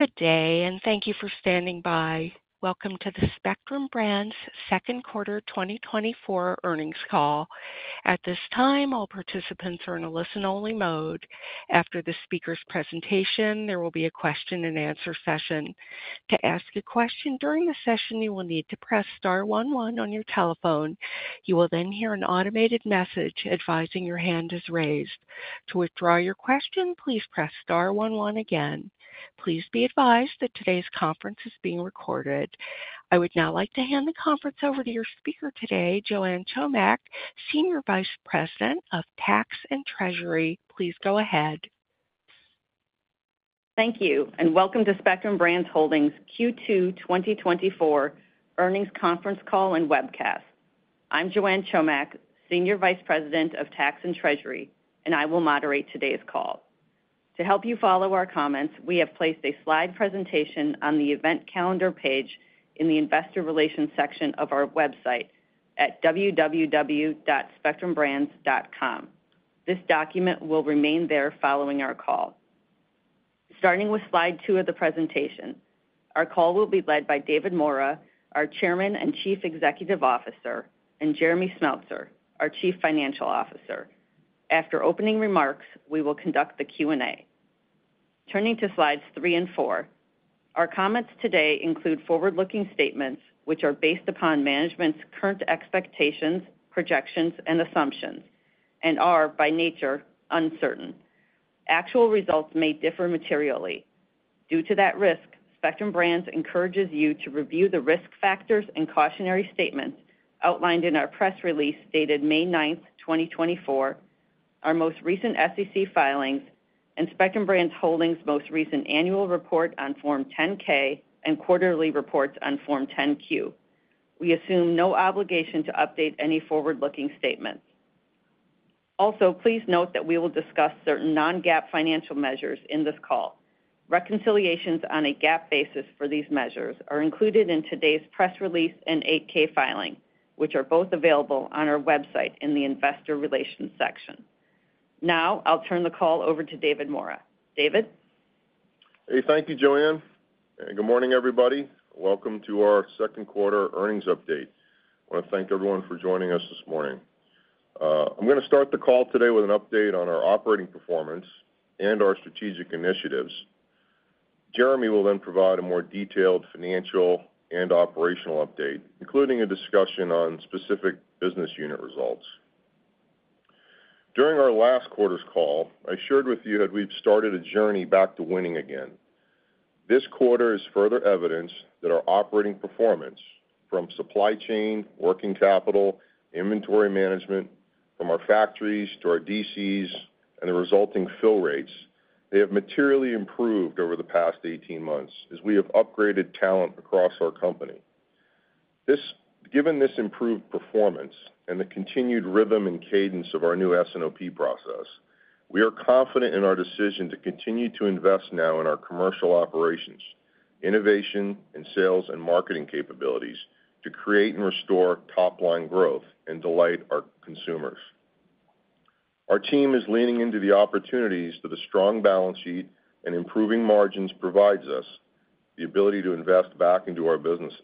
Good day, and thank you for standing by. Welcome to the Spectrum Brands Second Quarter 2024 Earnings Call. At this time, all participants are in a listen-only mode. After the speaker's presentation, there will be a question-and-answer session. To ask a question during the session, you will need to press star one one on your telephone. You will then hear an automated message advising your hand is raised. To withdraw your question, please press star one one again. Please be advised that today's conference is being recorded. I would now like to hand the conference over to your speaker today, Joanne Chomiak, Senior Vice President of Tax and Treasury. Please go ahead. Thank you, and welcome to Spectrum Brands Holdings Q2 2024 Earnings Conference Call and Webcast. I'm Joanne Chomiak, Senior Vice President of Tax and Treasury, and I will moderate today's call. To help you follow our comments, we have placed a slide presentation on the event calendar page in the investor relations section of our website at www.spectrumbrands.com. This document will remain there following our call. Starting with slide two of the presentation, our call will be led by David Maura, our Chairman and Chief Executive Officer, and Jeremy Smeltser, our Chief Financial Officer. After opening remarks, we will conduct the Q&A. Turning to slides three and four, our comments today include forward-looking statements, which are based upon management's current expectations, projections, and assumptions, and are, by nature, uncertain. Actual results may differ materially. Due to that risk, Spectrum Brands encourages you to review the risk factors and cautionary statements outlined in our press release dated May 9, 2024, our most recent SEC filings, and Spectrum Brands Holdings' most recent annual report on Form 10-K and quarterly reports on Form 10-Q. We assume no obligation to update any forward-looking statements. Also, please note that we will discuss certain non-GAAP financial measures in this call. Reconciliations on a GAAP basis for these measures are included in today's press release and 8-K filing, which are both available on our website in the Investor Relations section. Now, I'll turn the call over to David Maura. David? Hey, thank you, Joanne. Good morning, everybody. Welcome to our second quarter earnings update. I wanna thank everyone for joining us this morning. I'm gonna start the call today with an update on our operating performance and our strategic initiatives. Jeremy will then provide a more detailed financial and operational update, including a discussion on specific business unit results. During our last quarter's call, I shared with you that we've started a journey back to winning again. This quarter is further evidence that our operating performance, from supply chain, working capital, inventory management, from our factories to our DCs, and the resulting fill rates, they have materially improved over the past 18 months as we have upgraded talent across our company. Given this improved performance and the continued rhythm and cadence of our new S&OP process, we are confident in our decision to continue to invest now in our commercial operations, innovation, and sales and marketing capabilities to create and restore top-line growth and delight our consumers. Our team is leaning into the opportunities that a strong balance sheet and improving margins provides us the ability to invest back into our businesses.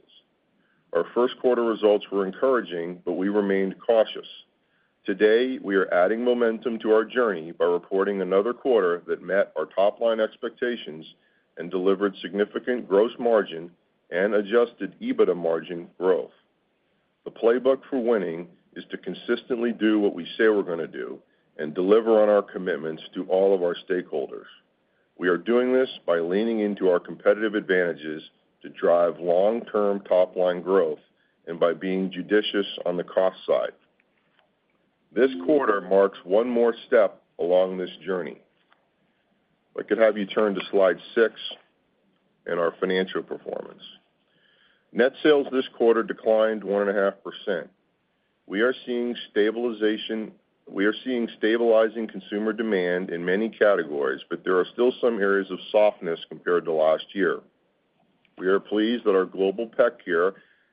Our first quarter results were encouraging, but we remained cautious. Today, we are adding momentum to our journey by reporting another quarter that met our top-line expectations and delivered significant gross margin and adjusted EBITDA margin growth. The playbook for winning is to consistently do what we say we're gonna do and deliver on our commitments to all of our stakeholders. We are doing this by leaning into our competitive advantages to drive long-term top-line growth and by being judicious on the cost side. This quarter marks one more step along this journey. If I could have you turn to slide six in our financial performance. Net sales this quarter declined 1.5%. We are seeing stabilizing consumer demand in many categories, but there are still some areas of softness compared to last year. We are pleased that our Global Pet Care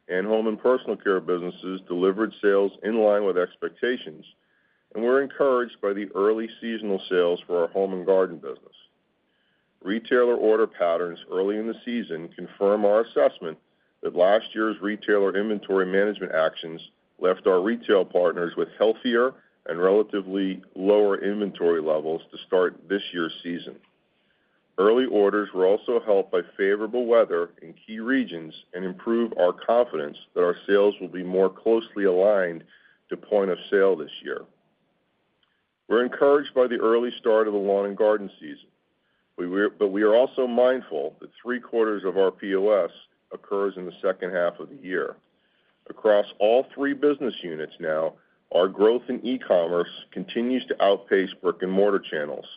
and Home and Personal Care businesses delivered sales in line with expectations, and we're encouraged by the early seasonal sales for our Home and Garden business. Retailer order patterns early in the season confirm our assessment that last year's retailer inventory management actions left our retail partners with healthier and relatively lower inventory levels to start this year's season. Early orders were also helped by favorable weather in key regions and improve our confidence that our sales will be more closely aligned to point of sale this year. We're encouraged by the early start of the lawn and garden season. But we are also mindful that three-quarters of our POS occurs in the second half of the year. Across all three business units now, our growth in e-commerce continues to outpace brick-and-mortar channels,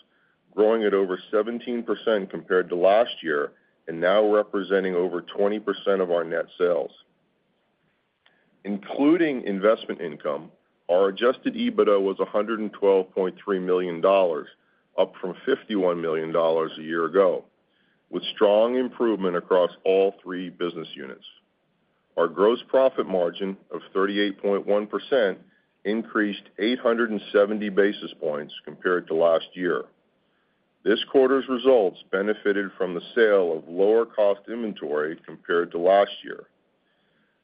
growing at over 17% compared to last year and now representing over 20% of our net sales. Including investment income, our adjusted EBITDA was $112.3 million, up from $51 million a year ago, with strong improvement across all three business units. Our gross profit margin of 38.1% increased 870 basis points compared to last year. This quarter's results benefited from the sale of lower cost inventory compared to last year.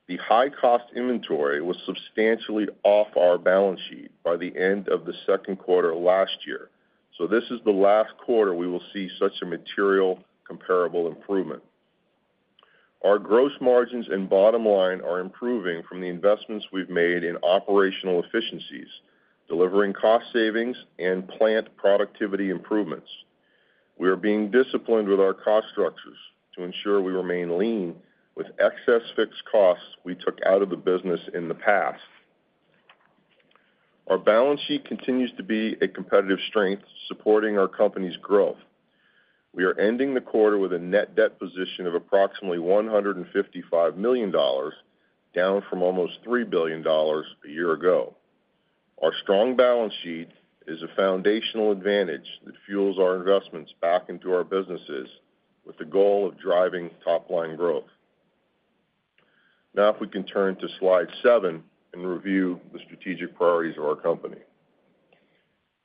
The high cost inventory was substantially off our balance sheet by the end of the second quarter last year, so this is the last quarter we will see such a material comparable improvement. Our gross margins and bottom line are improving from the investments we've made in operational efficiencies, delivering cost savings and plant productivity improvements. We are being disciplined with our cost structures to ensure we remain lean with excess fixed costs we took out of the business in the past. Our balance sheet continues to be a competitive strength, supporting our company's growth. We are ending the quarter with a net debt position of approximately $155 million, down from almost $3 billion a year ago. Our strong balance sheet is a foundational advantage that fuels our investments back into our businesses with the goal of driving top-line growth. Now, if we can turn to Slide seven and review the strategic priorities of our company.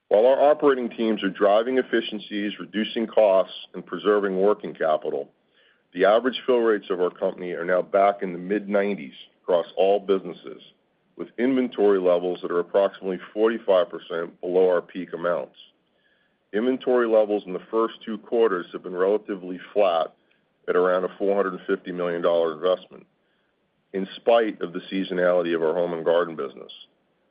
While our operating teams are driving efficiencies, reducing costs, and preserving working capital, the average fill rates of our company are now back in the mid-90s% across all businesses, with inventory levels that are approximately 45% below our peak amounts. Inventory levels in the first two quarters have been relatively flat at around a $450 million investment, in spite of the seasonality of our home and garden business.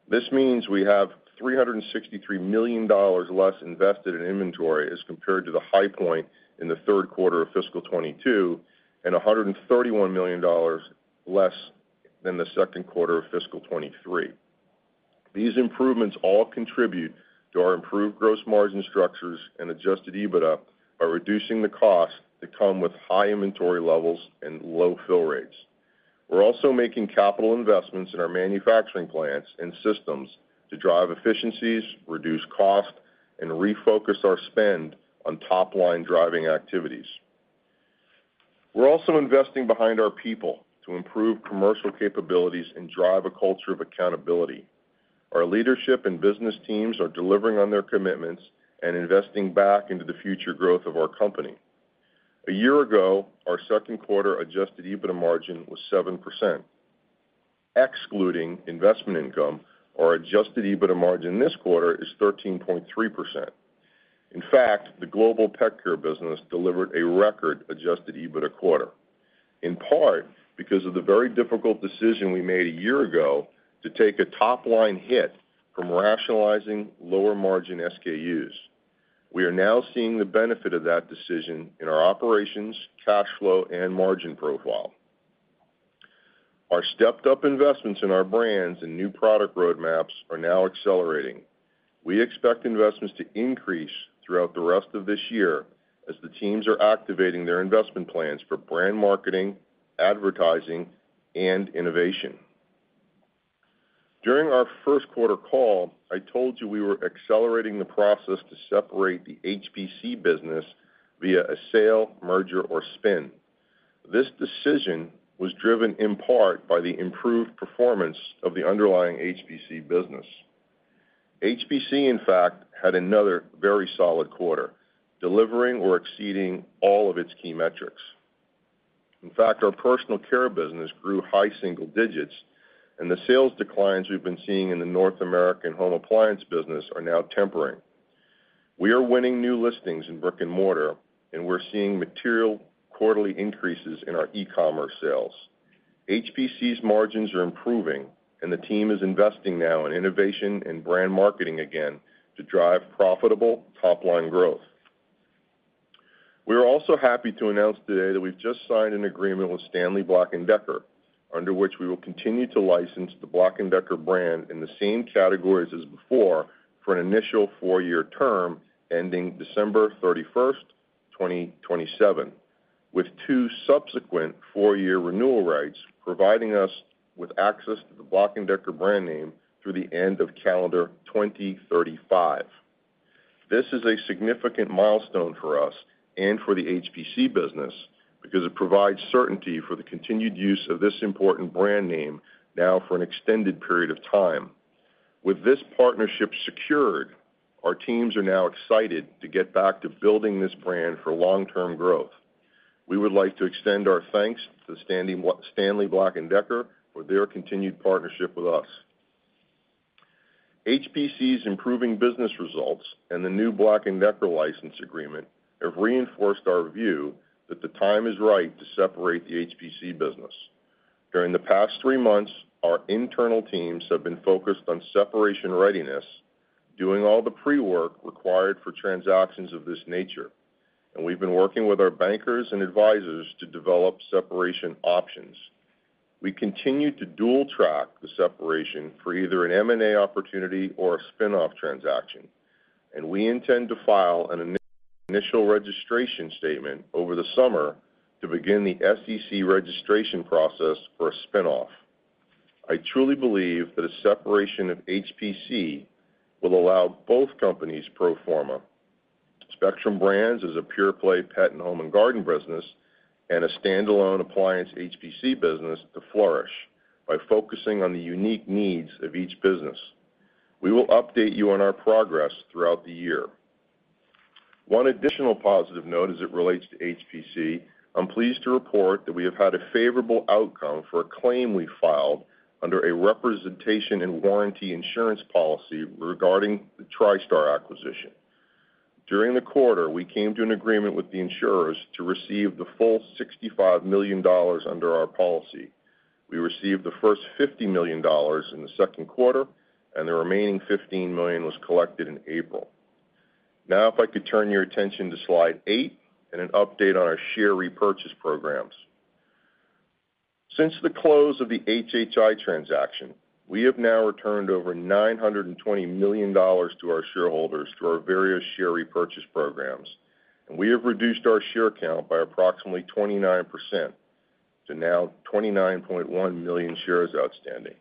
This means we have $363 million less invested in inventory as compared to the high point in the third quarter of fiscal 2022, and $131 million less than the second quarter of fiscal 2023. These improvements all contribute to our improved gross margin structures and Adjusted EBITDA by reducing the costs that come with high inventory levels and low fill rates. We're also making capital investments in our manufacturing plants and systems to drive efficiencies, reduce cost, and refocus our spend on top-line driving activities. We're also investing behind our people to improve commercial capabilities and drive a culture of accountability. Our leadership and business teams are delivering on their commitments and investing back into the future growth of our company. A year ago, our second quarter Adjusted EBITDA margin was 7%. Excluding investment income, our adjusted EBITDA margin this quarter is 13.3%. In fact, the global pet care business delivered a record adjusted EBITDA quarter, in part because of the very difficult decision we made a year ago to take a top-line hit from rationalizing lower-margin SKUs. We are now seeing the benefit of that decision in our operations, cash flow, and margin profile. Our stepped-up investments in our brands and new product roadmaps are now accelerating. We expect investments to increase throughout the rest of this year as the teams are activating their investment plans for brand marketing, advertising, and innovation. During our first quarter call, I told you we were accelerating the process to separate the HPC business via a sale, merger, or spin. This decision was driven in part by the improved performance of the underlying HPC business. HPC, in fact, had another very solid quarter, delivering or exceeding all of its key metrics. In fact, our personal care business grew high single digits, and the sales declines we've been seeing in the North American home appliance business are now tempering. We are winning new listings in brick-and-mortar, and we're seeing material quarterly increases in our e-commerce sales. HPC's margins are improving, and the team is investing now in innovation and brand marketing again to drive profitable top-line growth. We are also happy to announce today that we've just signed an agreement with Stanley Black & Decker, under which we will continue to license the Black & Decker brand in the same categories as before for an initial four-year term ending December 31, 2027, with two subsequent four-year renewal rights, providing us with access to the Black & Decker brand name through the end of calendar 2035. This is a significant milestone for us and for the HPC business because it provides certainty for the continued use of this important brand name now for an extended period of time. With this partnership secured, our teams are now excited to get back to building this brand for long-term growth. We would like to extend our thanks to Stanley Black & Decker for their continued partnership with us. HPC's improving business results and the new BLACK+DECKER license agreement have reinforced our view that the time is right to separate the HPC business. During the past three months, our internal teams have been focused on separation readiness, doing all the pre-work required for transactions of this nature, and we've been working with our bankers and advisors to develop separation options. We continue to dual track the separation for either an M&A opportunity or a spin-off transaction, and we intend to file an initial registration statement over the summer to begin the SEC registration process for a spin-off. I truly believe that a separation of HPC will allow both companies pro forma... Spectrum Brands is a pure-play pet and home and garden business, and a standalone appliance HPC business to flourish by focusing on the unique needs of each business. We will update you on our progress throughout the year. One additional positive note as it relates to HPC, I'm pleased to report that we have had a favorable outcome for a claim we filed under a representation and warranty insurance policy regarding the Tristar acquisition. During the quarter, we came to an agreement with the insurers to receive the full $65 million under our policy. We received the first $50 million in the second quarter, and the remaining $15 million was collected in April. Now, if I could turn your attention to slide eight and an update on our share repurchase programs. Since the close of the HHI transaction, we have now returned over $920 million to our shareholders through our various share repurchase programs, and we have reduced our share count by approximately 29% to now 29.1 million shares outstanding.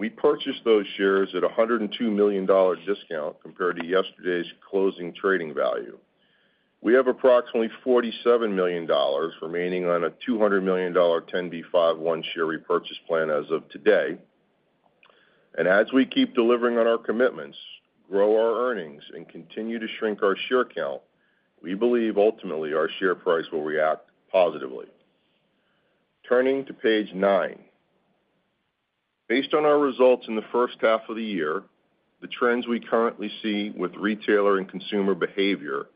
We purchased those shares at a $102 million discount compared to yesterday's closing trading value. We have approximately $47 million remaining on a $200 million 10b5-1 share repurchase plan as of today. As we keep delivering on our commitments, grow our earnings, and continue to shrink our share count, we believe ultimately our share price will react positively. Turning to page 9. Based on our results in the first half of the year, the trends we currently see with retailer and consumer behavior,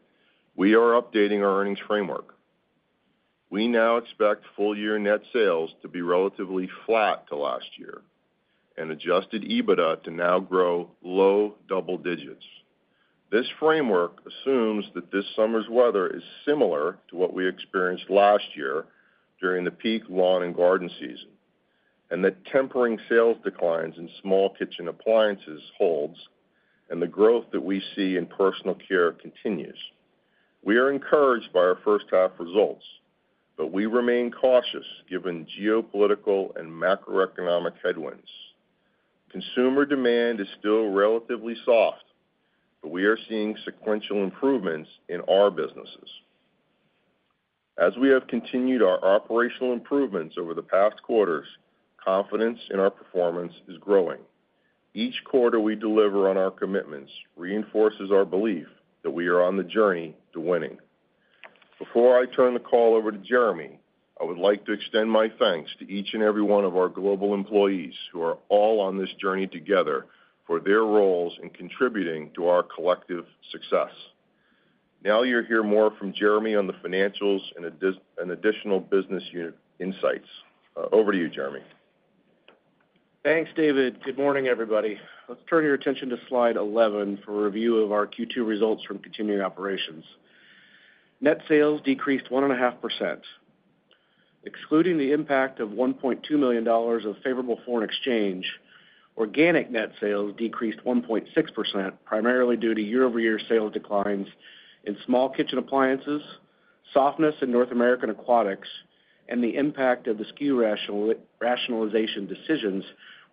we are updating our earnings framework. We now expect full year net sales to be relatively flat to last year and Adjusted EBITDA to now grow low double digits. This framework assumes that this summer's weather is similar to what we experienced last year during the peak lawn and garden season, and that tempering sales declines in small kitchen appliances holds, and the growth that we see in personal care continues. We are encouraged by our first half results, but we remain cautious given geopolitical and macroeconomic headwinds. Consumer demand is still relatively soft, but we are seeing sequential improvements in our businesses. As we have continued our operational improvements over the past quarters, confidence in our performance is growing. Each quarter we deliver on our commitments reinforces our belief that we are on the journey to winning. Before I turn the call over to Jeremy, I would like to extend my thanks to each and every one of our global employees who are all on this journey together for their roles in contributing to our collective success. Now you'll hear more from Jeremy on the financials and additional business unit insights. Over to you, Jeremy. Thanks, David. Good morning, everybody. Let's turn your attention to slide 11 for a review of our Q2 results from continuing operations. Net sales decreased 1.5%. Excluding the impact of $1.2 million of favorable foreign exchange, organic net sales decreased 1.6%, primarily due to year-over-year sales declines in small kitchen appliances, softness in North American aquatics, and the impact of the SKU rationalization decisions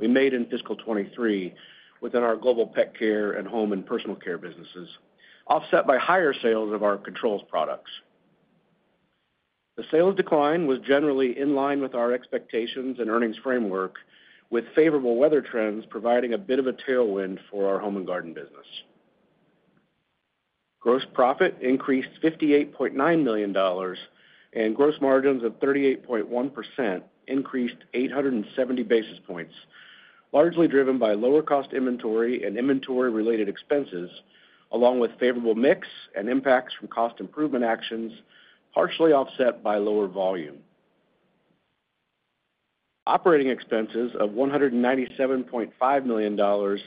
we made in fiscal 2023 within our global pet care and home and personal care businesses, offset by higher sales of our controls products. The sales decline was generally in line with our expectations and earnings framework, with favorable weather trends providing a bit of a tailwind for our home and garden business. Gross profit increased $58.9 million, and gross margins of 38.1% increased 870 basis points, largely driven by lower cost inventory and inventory-related expenses, along with favorable mix and impacts from cost improvement actions, partially offset by lower volume. Operating expenses of $197.5 million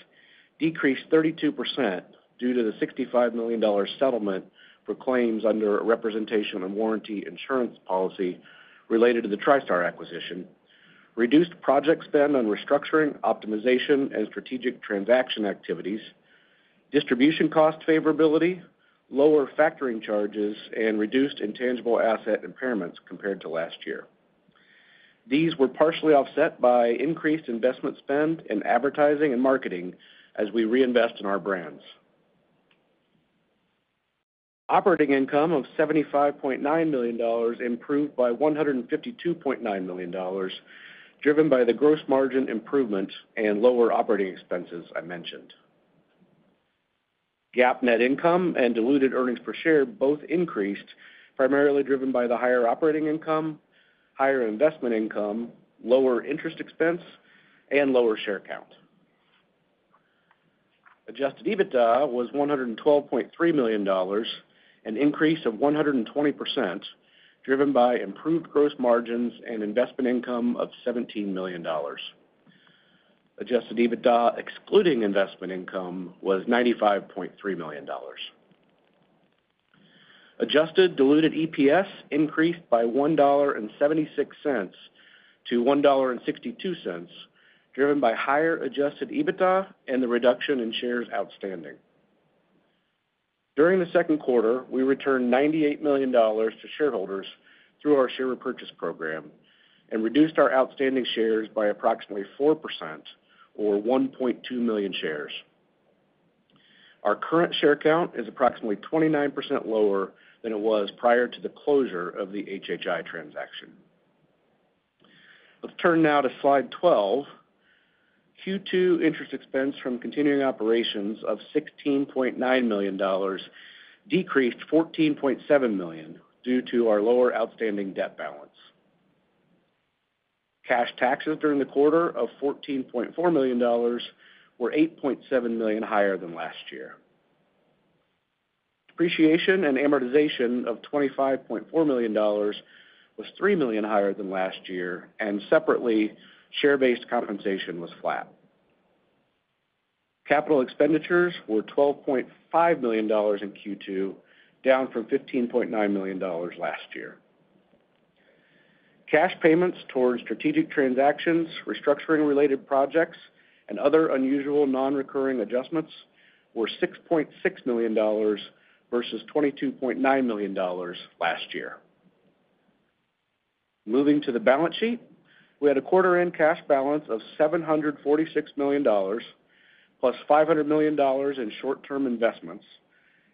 decreased 32% due to the $65 million dollar settlement for claims under a representation and warranty insurance policy related to the Tristar acquisition, reduced project spend on restructuring, optimization, and strategic transaction activities, distribution cost favorability, lower factoring charges, and reduced intangible asset impairments compared to last year. These were partially offset by increased investment spend in advertising and marketing as we reinvest in our brands. Operating income of $75.9 million improved by $152.9 million, driven by the gross margin improvement and lower operating expenses I mentioned. GAAP net income and diluted earnings per share both increased, primarily driven by the higher operating income, higher investment income, lower interest expense, and lower share count. Adjusted EBITDA was $112.3 million, an increase of 120%, driven by improved gross margins and investment income of $17 million. Adjusted EBITDA, excluding investment income, was $95.3 million. Adjusted diluted EPS increased by $1.76 to $1.62, driven by higher adjusted EBITDA and the reduction in shares outstanding. During the second quarter, we returned $98 million to shareholders through our share repurchase program and reduced our outstanding shares by approximately 4%, or 1.2 million shares. Our current share count is approximately 29% lower than it was prior to the closure of the HHI transaction. Let's turn now to slide 12. Q2 interest expense from continuing operations of $16.9 million decreased $14.7 million due to our lower outstanding debt balance. Cash taxes during the quarter of $14.4 million were $8.7 million higher than last year. Depreciation and amortization of $25.4 million was $3 million higher than last year, and separately, share-based compensation was flat. Capital expenditures were $12.5 million in Q2, down from $15.9 million last year. Cash payments towards strategic transactions, restructuring-related projects, and other unusual nonrecurring adjustments were $6.6 million versus $22.9 million last year. Moving to the balance sheet, we had a quarter-end cash balance of $746 million, plus $500 million in short-term investments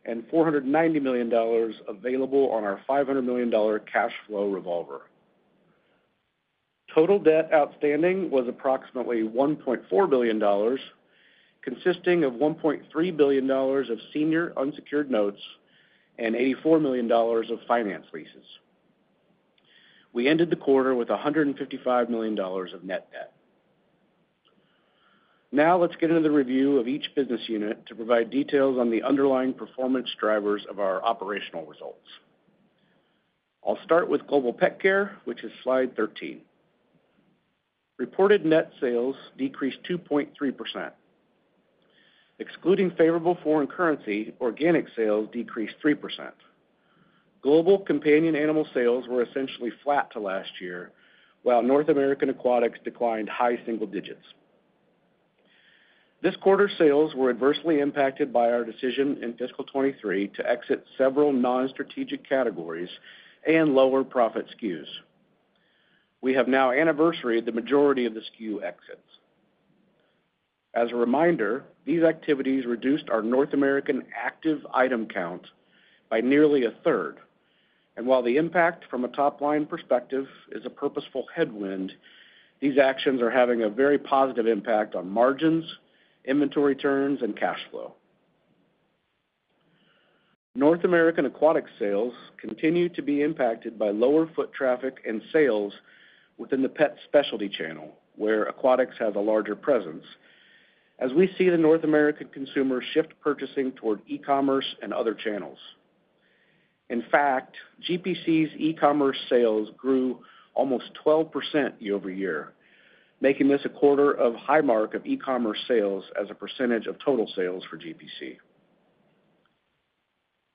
and $490 million available on our $500 million cash flow revolver. Total debt outstanding was approximately $1.4 billion, consisting of $1.3 billion of senior unsecured notes and $84 million of finance leases. We ended the quarter with $155 million of net debt. Now, let's get into the review of each business unit to provide details on the underlying performance drivers of our operational results. I'll start with Global Pet Care, which is slide 13. Reported net sales decreased 2.3%. Excluding favorable foreign currency, organic sales decreased 3%. Global companion animal sales were essentially flat to last year, while North American aquatics declined high single digits. This quarter's sales were adversely impacted by our decision in fiscal 2023 to exit several nonstrategic categories and lower profit SKUs. We have now anniversa the majority of the SKU exits. As a reminder, these activities reduced our North American active item count by nearly a third, and while the impact from a top-line perspective is a purposeful headwind, these actions are having a very positive impact on margins, inventory turns, and cash flow. North American aquatic sales continue to be impacted by lower foot traffic and sales within the pet specialty channel, where aquatics has a larger presence, as we see the North American consumer shift purchasing toward e-commerce and other channels. In fact, GPC's e-commerce sales grew almost 12% year-over-year, making this a quarter of high mark of e-commerce sales as a percentage of total sales for GPC.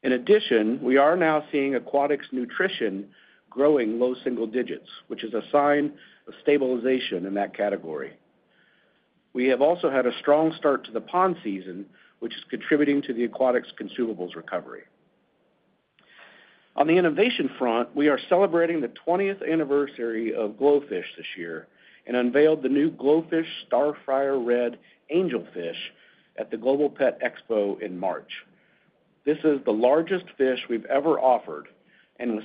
In addition, we are now seeing aquatics nutrition growing low single digits, which is a sign of stabilization in that category. We have also had a strong start to the pond season, which is contributing to the aquatics consumables recovery. On the innovation front, we are celebrating the 20th anniversary of GloFish this year and unveiled the new GloFish Starfire Red Angelfish at the Global Pet Expo in March. This is the largest fish we've ever offered and was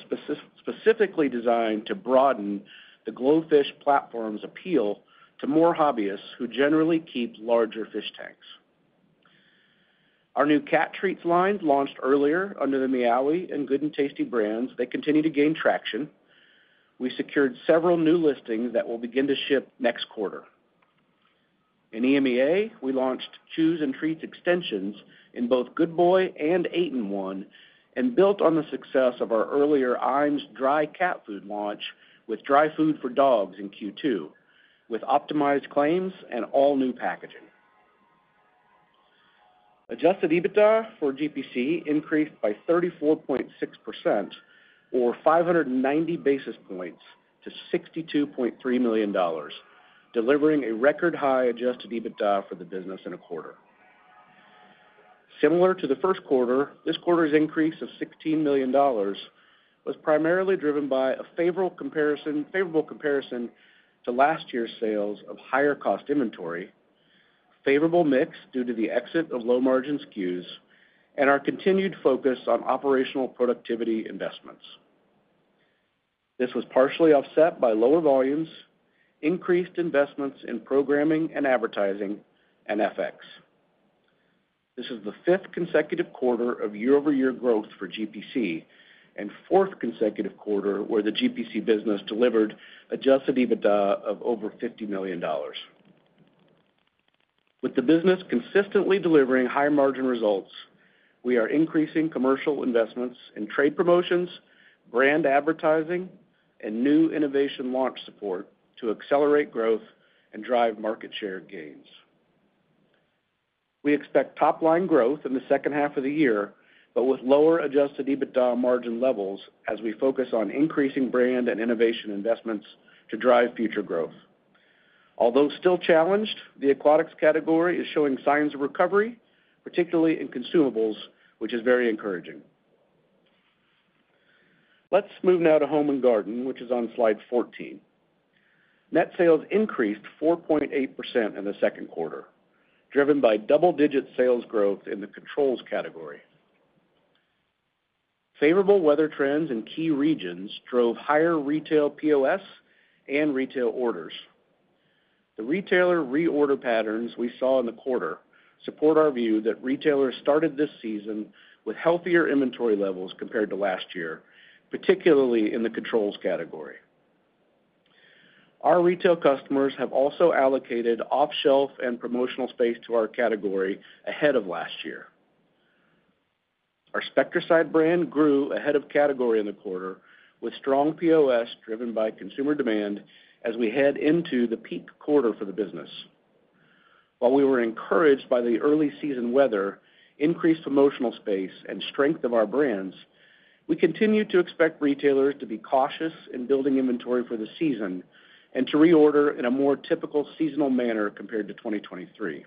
specifically designed to broaden the GloFish platform's appeal to more hobbyists who generally keep larger fish tanks. Our new cat treats line launched earlier under the Meowee! and Good 'n' Tasty brands. They continue to gain traction. We secured several new listings that will begin to ship next quarter. In EMEA, we launched chews and treats extensions in both Good Boy and Eight-in-One, and built on the success of our earlier IAMS dry cat food launch with dry food for dogs in Q2, with optimized claims and all-new packaging. Adjusted EBITDA for GPC increased by 34.6%, or 590 basis points to $62.3 million, delivering a record-high adjusted EBITDA for the business in a quarter. Similar to the first quarter, this quarter's increase of $16 million was primarily driven by a favorable comparison to last year's sales of higher-cost inventory, favorable mix due to the exit of low-margin SKUs, and our continued focus on operational productivity investments. This was partially offset by lower volumes, increased investments in programming and advertising, and FX. This is the 5th consecutive quarter of year-over-year growth for GPC and 4th consecutive quarter where the GPC business delivered Adjusted EBITDA of over $50 million. With the business consistently delivering higher-margin results, we are increasing commercial investments in trade promotions, brand advertising, and new innovation launch support to accelerate growth and drive market share gains. We expect top-line growth in the second half of the year, but with lower Adjusted EBITDA margin levels as we focus on increasing brand and innovation investments to drive future growth. Although still challenged, the aquatics category is showing signs of recovery, particularly in consumables, which is very encouraging.... Let's move now to home and garden, which is on slide 14. Net sales increased 4.8% in the second quarter, driven by double-digit sales growth in the controls category. Favorable weather trends in key regions drove higher retail POS and retail orders. The retailer reorder patterns we saw in the quarter support our view that retailers started this season with healthier inventory levels compared to last year, particularly in the controls category. Our retail customers have also allocated off-shelf and promotional space to our category ahead of last year. Our Spectracide brand grew ahead of category in the quarter, with strong POS driven by consumer demand as we head into the peak quarter for the business. While we were encouraged by the early season weather, increased promotional space, and strength of our brands, we continue to expect retailers to be cautious in building inventory for the season and to reorder in a more typical seasonal manner compared to 2023.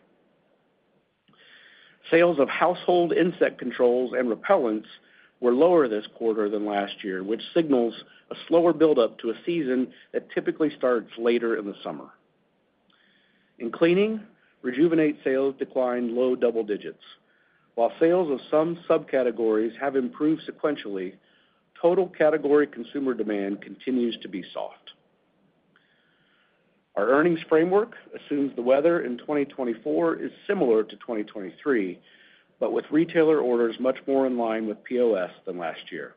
Sales of household insect controls and repellents were lower this quarter than last year, which signals a slower buildup to a season that typically starts later in the summer. In cleaning, Rejuvenate sales declined low double digits. While sales of some subcategories have improved sequentially, total category consumer demand continues to be soft. Our earnings framework assumes the weather in 2024 is similar to 2023, but with retailer orders much more in line with POS than last year.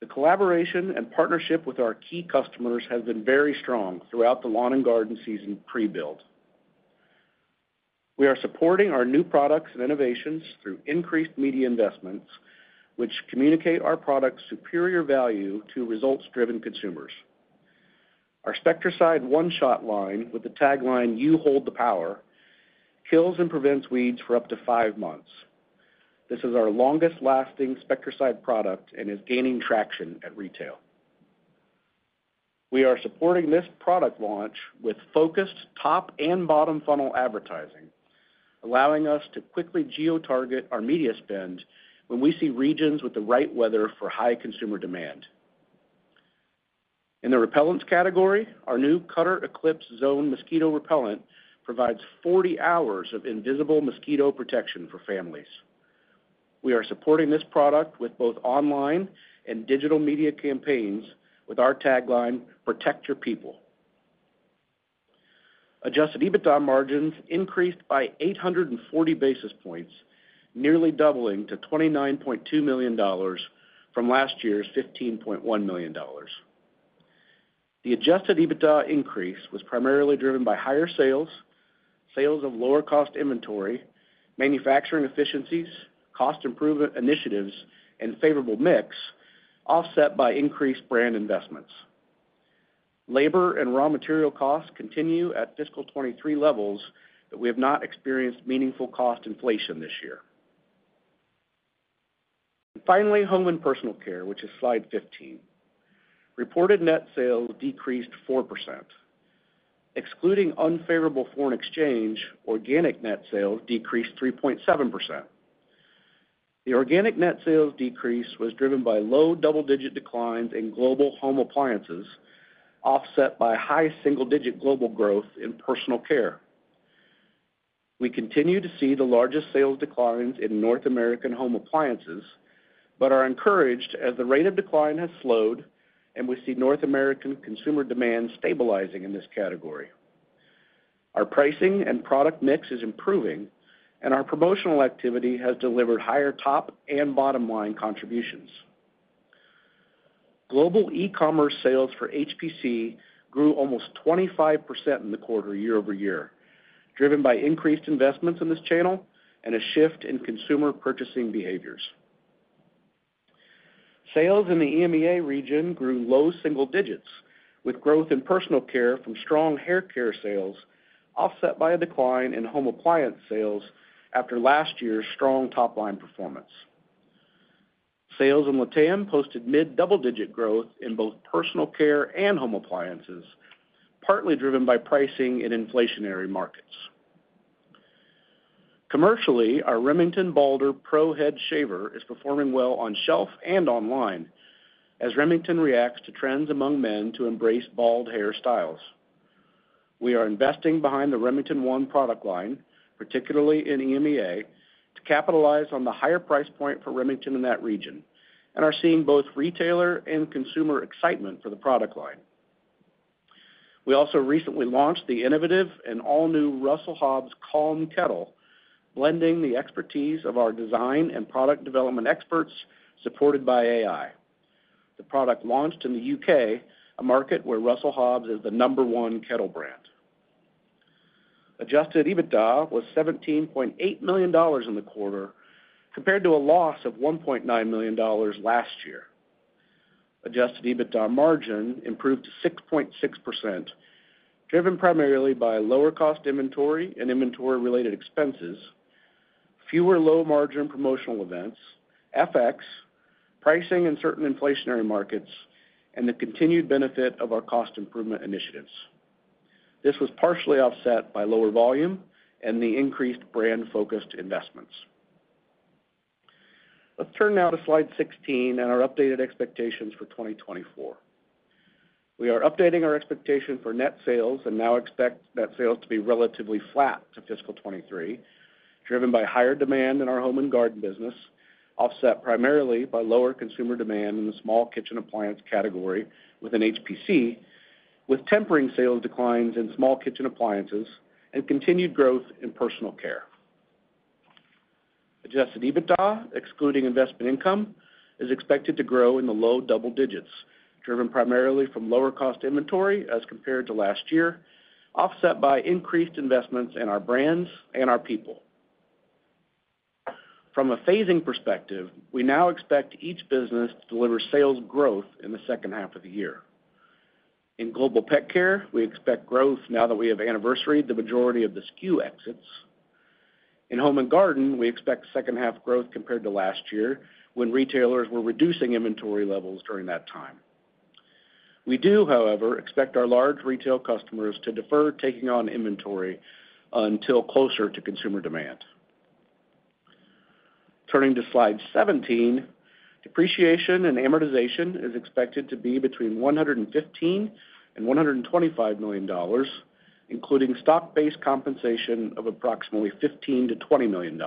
The collaboration and partnership with our key customers has been very strong throughout the lawn and garden season pre-build. We are supporting our new products and innovations through increased media investments, which communicate our product's superior value to results-driven consumers. Our Spectracide One-Shot line, with the tagline, "You hold the power," kills and prevents weeds for up to five months. This is our longest-lasting Spectracide product and is gaining traction at retail. We are supporting this product launch with focused top and bottom funnel advertising, allowing us to quickly geo-target our media spend when we see regions with the right weather for high consumer demand. In the repellents category, our new Cutter Eclipse Zone mosquito repellent provides 40 hours of invisible mosquito protection for families. We are supporting this product with both online and digital media campaigns, with our tagline, "Protect your people." Adjusted EBITDA margins increased by 840 basis points, nearly doubling to $29.2 million from last year's $15.1 million. The adjusted EBITDA increase was primarily driven by higher sales, sales of lower-cost inventory, manufacturing efficiencies, cost improvement initiatives, and favorable mix, offset by increased brand investments. Labor and raw material costs continue at fiscal 2023 levels, but we have not experienced meaningful cost inflation this year. Finally, home and personal care, which is slide 15. Reported net sales decreased 4%. Excluding unfavorable foreign exchange, organic net sales decreased 3.7%. The organic net sales decrease was driven by low double-digit declines in global home appliances, offset by high single-digit global growth in personal care. We continue to see the largest sales declines in North American home appliances, but are encouraged as the rate of decline has slowed, and we see North American consumer demand stabilizing in this category. Our pricing and product mix is improving, and our promotional activity has delivered higher top and bottom-line contributions. Global e-commerce sales for HPC grew almost 25% in the quarter, year-over-year, driven by increased investments in this channel and a shift in consumer purchasing behaviors. Sales in the EMEA region grew low single digits, with growth in personal care from strong hair care sales offset by a decline in home appliance sales after last year's strong top-line performance. Sales in LATAM posted mid-double-digit growth in both personal care and home appliances, partly driven by pricing in inflationary markets. Commercially, our Remington Balder Pro Head Shaver is performing well on shelf and online as Remington reacts to trends among men to embrace bald hair styles. We are investing behind the Remington ONE product line, particularly in EMEA, to capitalize on the higher price point for Remington in that region and are seeing both retailer and consumer excitement for the product line. We also recently launched the innovative and all-new Russell Hobbs Calm Kettle, blending the expertise of our design and product development experts, supported by AI. The product launched in the UK, a market where Russell Hobbs is the number one kettle brand. Adjusted EBITDA was $17.8 million in the quarter, compared to a loss of $1.9 million last year. Adjusted EBITDA margin improved to 6.6%, driven primarily by lower cost inventory and inventory-related expenses, fewer low-margin promotional events, FX, pricing in certain inflationary markets, and the continued benefit of our cost improvement initiatives.... This was partially offset by lower volume and the increased brand-focused investments. Let's turn now to Slide 16 and our updated expectations for 2024. We are updating our expectation for net sales and now expect net sales to be relatively flat to fiscal 2023, driven by higher demand in our home and garden business, offset primarily by lower consumer demand in the small kitchen appliance category within HPC, with tempering sales declines in small kitchen appliances and continued growth in personal care. Adjusted EBITDA, excluding investment income, is expected to grow in the low double digits, driven primarily from lower cost inventory as compared to last year, offset by increased investments in our brands and our people. From a phasing perspective, we now expect each business to deliver sales growth in the second half of the year. In Global Pet Care, we expect growth now that we have anniversaried the majority of the SKU exits. In Home and Garden, we expect second half growth compared to last year, when retailers were reducing inventory levels during that time. We do, however, expect our large retail customers to defer taking on inventory until closer to consumer demand. Turning to Slide 17, depreciation and amortization is expected to be between $115 million and $125 million, including stock-based compensation of approximately $15 million-$20 million.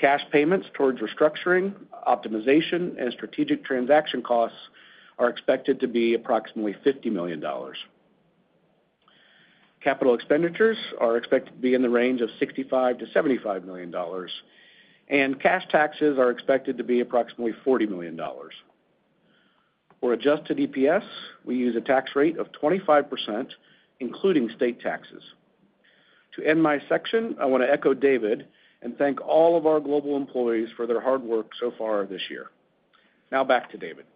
Cash payments towards restructuring, optimization, and strategic transaction costs are expected to be approximately $50 million. Capital expenditures are expected to be in the range of $65 million-$75 million, and cash taxes are expected to be approximately $40 million. For adjusted EPS, we use a tax rate of 25%, including state taxes. To end my section, I want to echo David and thank all of our global employees for their hard work so far this year. Now, back to David.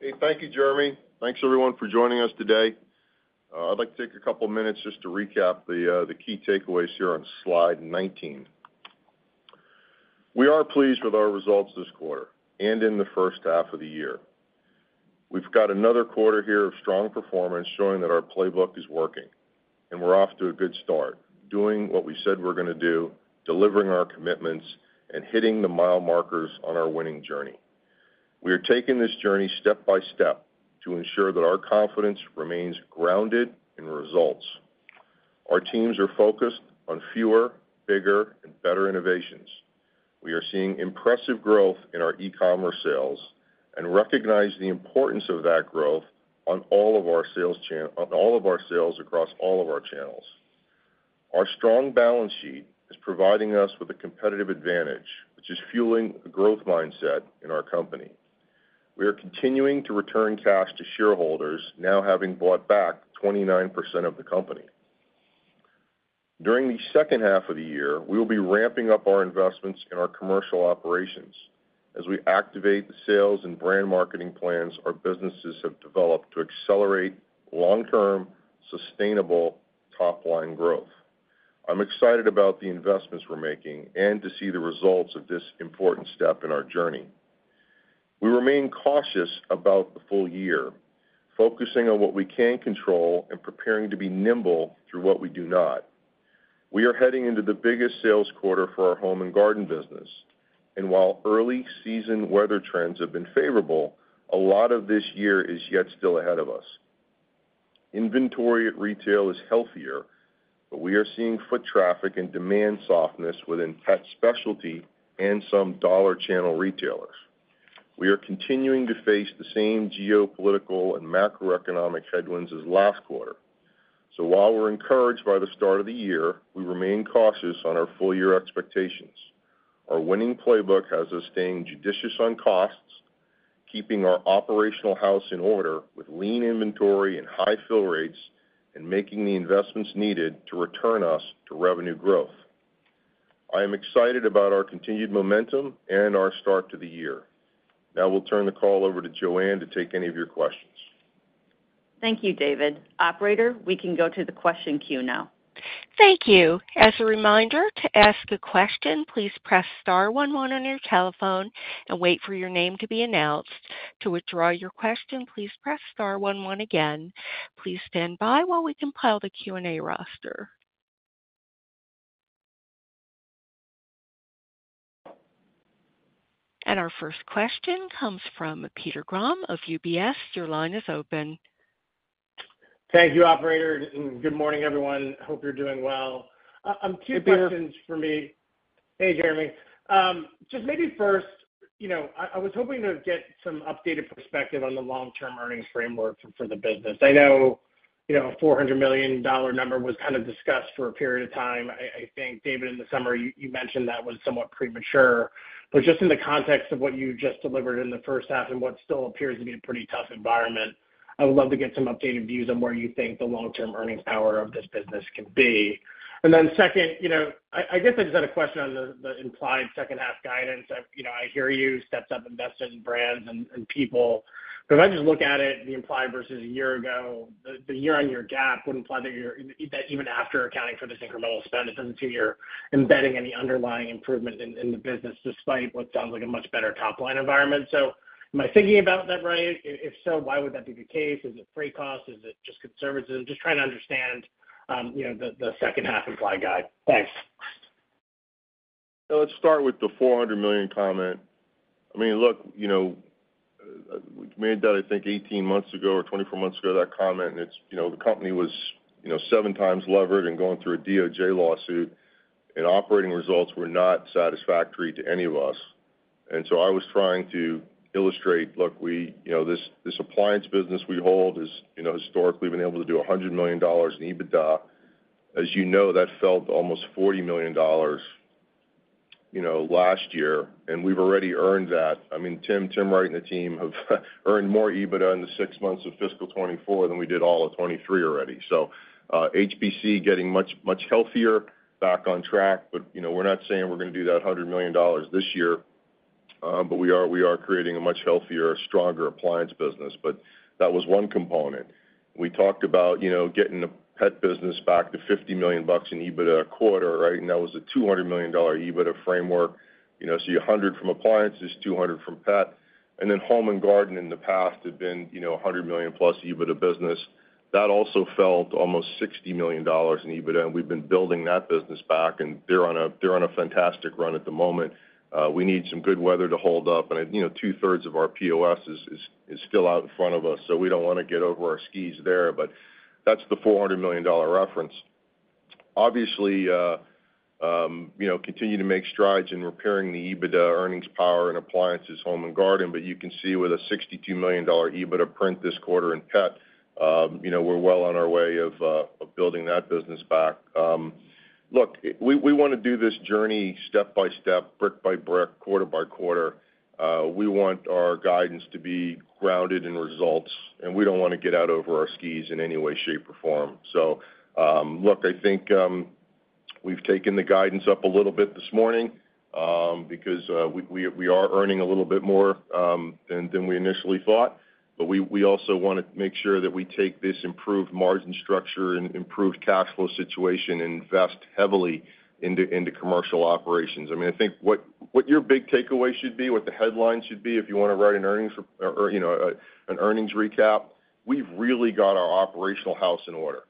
Hey, thank you, Jeremy. Thanks, everyone, for joining us today. I'd like to take a couple of minutes just to recap the key takeaways here on Slide 19. We are pleased with our results this quarter and in the first half of the year. We've got another quarter here of strong performance, showing that our playbook is working, and we're off to a good start, doing what we said we're gonna do, delivering our commitments, and hitting the mile markers on our winning journey. We are taking this journey step by step to ensure that our confidence remains grounded in results. Our teams are focused on fewer, bigger, and better innovations. We are seeing impressive growth in our e-commerce sales and recognize the importance of that growth on all of our sales across all of our channels. Our strong balance sheet is providing us with a competitive advantage, which is fueling a growth mindset in our company. We are continuing to return cash to shareholders, now having bought back 29% of the company. During the second half of the year, we will be ramping up our investments in our commercial operations as we activate the sales and brand marketing plans our businesses have developed to accelerate long-term, sustainable top-line growth. I'm excited about the investments we're making and to see the results of this important step in our journey. We remain cautious about the full year, focusing on what we can control and preparing to be nimble through what we do not. We are heading into the biggest sales quarter for our home and garden business, and while early season weather trends have been favorable, a lot of this year is yet still ahead of us. Inventory at retail is healthier, but we are seeing foot traffic and demand softness within pet specialty and some dollar channel retailers. We are continuing to face the same geopolitical and macroeconomic headwinds as last quarter. So while we're encouraged by the start of the year, we remain cautious on our full year expectations. Our winning playbook has us staying judicious on costs, keeping our operational house in order with lean inventory and high fill rates, and making the investments needed to return us to revenue growth. I am excited about our continued momentum and our start to the year. Now we'll turn the call over to Joanne to take any of your questions. Thank you, David. Operator, we can go to the question queue now. Thank you. As a reminder, to ask a question, please press star one one on your telephone and wait for your name to be announced. To withdraw your question, please press star one one again. Please stand by while we compile the Q&A roster. Our first question comes from Peter Grom of UBS. Your line is open. Thank you, operator, and good morning, everyone. Hope you're doing well. Two questions for me. Hey, Jeremy. Just maybe first, you know, I was hoping to get some updated perspective on the long-term earnings framework for the business. I know, you know, a $400 million number was kind of discussed for a period of time. I think, David, in the summer, you mentioned that was somewhat premature. But just in the context of what you just delivered in the first half and what still appears to be a pretty tough environment, I would love to get some updated views on where you think the long-term earnings power of this business can be. And then second, you know, I guess I just had a question on the implied second-half guidance. I, you know, I hear you, step up, invest in brands and, and people, but if I just look at it, the implied versus a year ago. The year-on-year gap would imply that even after accounting for this incremental spend, it doesn't seem you're embedding any underlying improvement in the business, despite what sounds like a much better top-line environment. So am I thinking about that right? If so, why would that be the case? Is it freight costs? Is it just conservatism? Just trying to understand, you know, the second half implied guide. Thanks. Let's start with the $400 million comment. I mean, look, you know, we made that, I think, 18 months ago or 24 months ago, that comment, and it's, you know, the company was, you know, 7x levered and going through a DOJ lawsuit, and operating results were not satisfactory to any of us. And so I was trying to illustrate, look, we, you know, this, this appliance business we hold is, you know, historically been able to do $100 million in EBITDA. As you know, that fell to almost $40 million, you know, last year, and we've already earned that. I mean, Tim, Tim Wright and the team have earned more EBITDA in the six months of fiscal 2024 than we did all of 2023 already. So, HPC getting much, much healthier, back on track, but, you know, we're not saying we're going to do that $100 million this year, but we are, we are creating a much healthier, stronger appliance business. But that was one component. We talked about, you know, getting the pet business back to $50 million in EBITDA a quarter, right? And that was a $200 million EBITDA framework. You know, so $100 from appliances, $200 from pet, and then home and garden in the past had been, you know, a $100 million-plus EBITDA business. That also fell to almost $60 million in EBITDA, and we've been building that business back, and they're on a, they're on a fantastic run at the moment. We need some good weather to hold up, and, you know, two-thirds of our POS is still out in front of us, so we don't want to get over our skis there, but that's the $400 million reference. Obviously, you know, continue to make strides in repairing the EBITDA earnings power in appliances, home and garden, but you can see with a $62 million EBITDA print this quarter in pet, you know, we're well on our way of building that business back. Look, we want to do this journey step by step, brick by brick, quarter by quarter. We want our guidance to be grounded in results, and we don't want to get out over our skis in any way, shape, or form. So, look, I think we've taken the guidance up a little bit this morning because we are earning a little bit more than we initially thought. But we also want to make sure that we take this improved margin structure and improved cash flow situation and invest heavily into commercial operations. I mean, I think what your big takeaway should be, what the headline should be, if you want to write an earnings or, you know, an earnings recap, we've really got our operational house in order.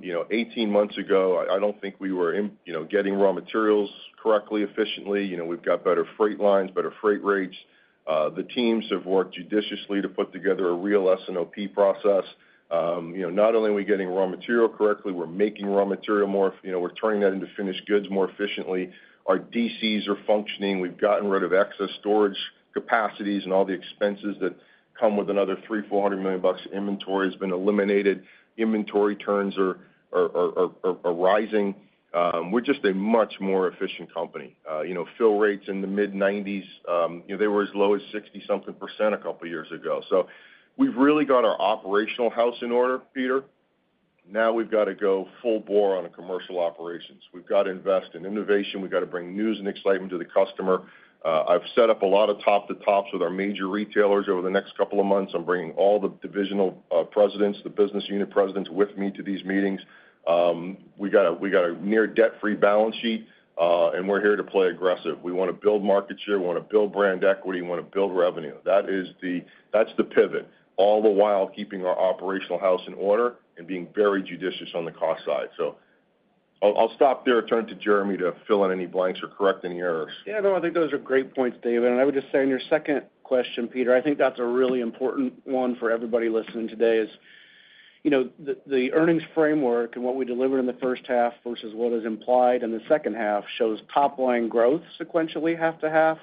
You know, 18 months ago, I don't think we were getting raw materials correctly, efficiently. You know, we've got better freight lines, better freight rates. The teams have worked judiciously to put together a real S&OP process. You know, not only are we getting raw material correctly, we're making raw material more, you know, we're turning that into finished goods more efficiently. Our DCs are functioning. We've gotten rid of excess storage capacities and all the expenses that come with another $300-$400 million of inventory has been eliminated. Inventory turns are rising. You know, fill rates in the mid-90s%, you know, they were as low as 60-something% a couple years ago. So we've really got our operational house in order, Peter. Now, we've got to go full bore on the commercial operations. We've got to invest in innovation. We've got to bring news and excitement to the customer. I've set up a lot of top-to-tops with our major retailers over the next couple of months. I'm bringing all the divisional presidents, the business unit presidents with me to these meetings. We got a near-debt-free balance sheet, and we're here to play aggressive. We want to build market share, we want to build brand equity, and we want to build revenue. That is the pivot, all the while keeping our operational house in order and being very judicious on the cost side. So I'll stop there and turn to Jeremy to fill in any blanks or correct any errors. Yeah, no, I think those are great points, David. And I would just say in your second question, Peter, I think that's a really important one for everybody listening today is, you know, the earnings framework and what we delivered in the first half versus what is implied in the second half shows top-line growth sequentially half to half,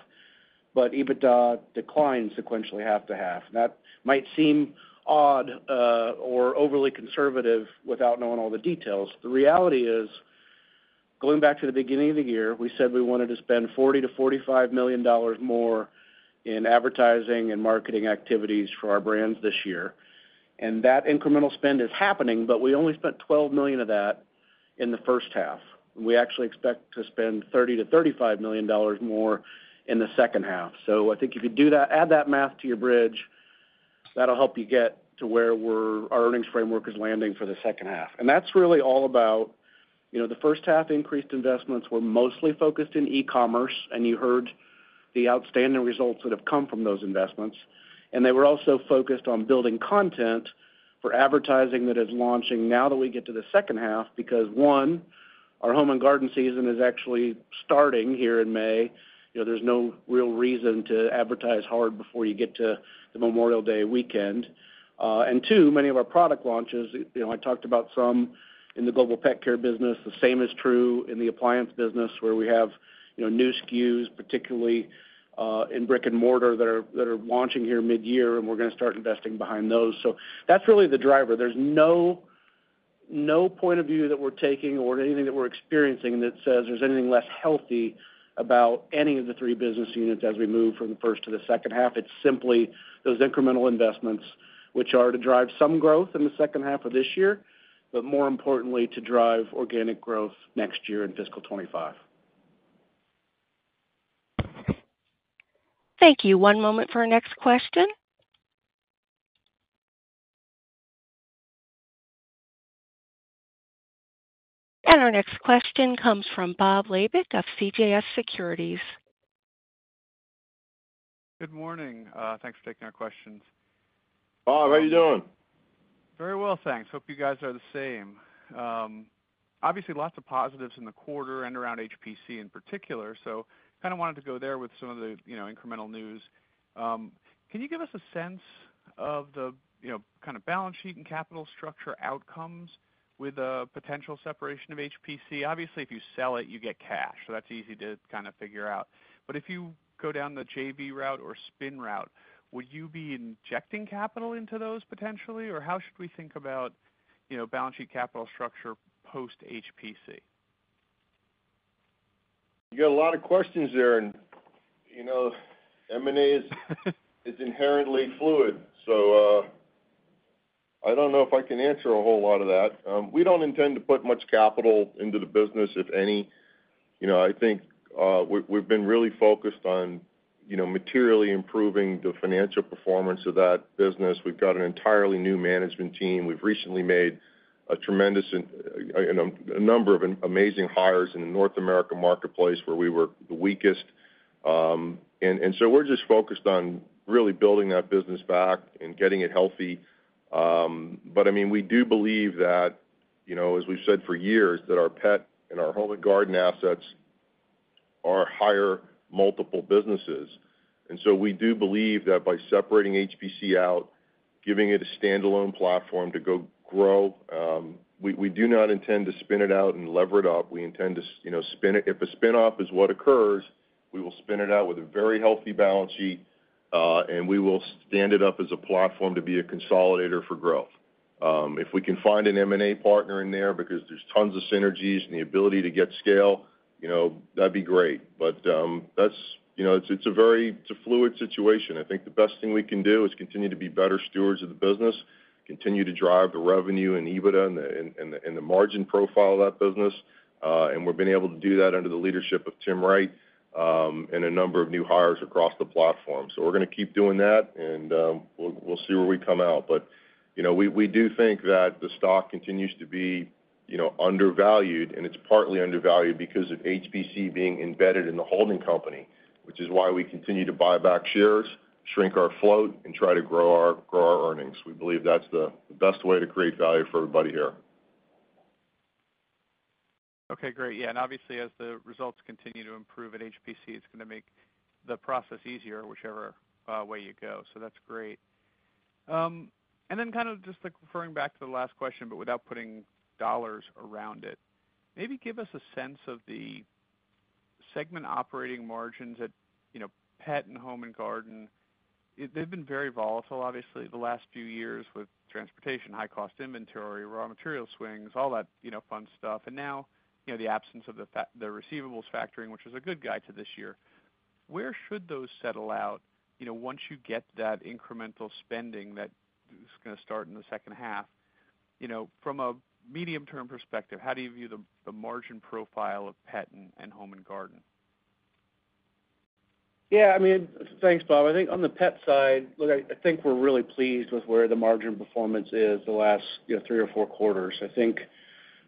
but EBITDA declined sequentially half to half. That might seem odd or overly conservative without knowing all the details. The reality is, going back to the beginning of the year, we said we wanted to spend $40-$45 million more in advertising and marketing activities for our brands this year, and that incremental spend is happening, but we only spent $12 million of that in the first half. We actually expect to spend $30-$35 million more in the second half. So I think if you do that, add that math to your bridge, that'll help you get to where we're, our earnings framework is landing for the second half. And that's really all about, you know, the first half increased investments were mostly focused in e-commerce, and you heard the outstanding results that have come from those investments. And they were also focused on building content for advertising that is launching now that we get to the second half, because, one, our home and garden season is actually starting here in May. You know, there's no real reason to advertise hard before you get to the Memorial Day weekend. And two, many of our product launches, you know, I talked about some in the global pet care business. The same is true in the appliance business, where we have, you know, new SKUs, particularly, in brick-and-mortar, that are, that are launching here mid-year, and we're going to start investing behind those. So that's really the driver. There's no, no point of view that we're taking or anything that we're experiencing that says there's anything less healthy about any of the three business units as we move from the first to the second half. It's simply those incremental investments, which are to drive some growth in the second half of this year, but more importantly, to drive organic growth next year in fiscal 2025.... Thank you. One moment for our next question. And our next question comes from Bob Labick of CJS Securities. Good morning. Thanks for taking our questions. Bob, how are you doing? Very well, thanks. Hope you guys are the same. Obviously, lots of positives in the quarter and around HPC in particular, so kind of wanted to go there with some of the, you know, incremental news. Can you give us a sense of the, you know, kind of balance sheet and capital structure outcomes with a potential separation of HPC? Obviously, if you sell it, you get cash, so that's easy to kind of figure out. But if you go down the JV route or spin route, would you be injecting capital into those potentially? Or how should we think about, you know, balance sheet capital structure post HPC? You got a lot of questions there, and, you know, M&A is inherently fluid, so I don't know if I can answer a whole lot of that. We don't intend to put much capital into the business, if any. You know, I think we, we've been really focused on, you know, materially improving the financial performance of that business. We've got an entirely new management team. We've recently made a tremendous, you know, a number of amazing hires in the North America marketplace where we were the weakest. And so we're just focused on really building that business back and getting it healthy. But, I mean, we do believe that, you know, as we've said for years, that our pet and our home and garden assets are higher multiple businesses. And so we do believe that by separating HPC out, giving it a standalone platform to go grow, we do not intend to spin it out and lever it up. We intend to, you know, spin it. If a spin-off is what occurs, we will spin it out with a very healthy balance sheet, and we will stand it up as a platform to be a consolidator for growth. If we can find an M&A partner in there, because there's tons of synergies and the ability to get scale, you know, that'd be great. But, that's, you know, it's a very fluid situation. I think the best thing we can do is continue to be better stewards of the business, continue to drive the revenue and EBITDA and the margin profile of that business. And we've been able to do that under the leadership of Tim Wright, and a number of new hires across the platform. So we're gonna keep doing that, and we'll see where we come out. But, you know, we do think that the stock continues to be, you know, undervalued, and it's partly undervalued because of HPC being embedded in the holding company, which is why we continue to buy back shares, shrink our float, and try to grow our earnings. We believe that's the best way to create value for everybody here. Okay, great. Yeah, and obviously, as the results continue to improve at HPC, it's gonna make the process easier, whichever way you go. So that's great. And then kind of just like referring back to the last question, but without putting dollars around it. Maybe give us a sense of the segment operating margins at, you know, pet and home and garden. They've been very volatile, obviously, the last few years with transportation, high cost inventory, raw material swings, all that, you know, fun stuff, and now, you know, the absence of the receivables factoring, which is a good guide to this year. Where should those settle out, you know, once you get that incremental spending that is gonna start in the second half? You know, from a medium-term perspective, how do you view the, the margin profile of pet and, and home and garden? Yeah, I mean... Thanks, Bob. I think on the pet side, look, I think we're really pleased with where the margin performance is the last, you know, three or four quarters. I think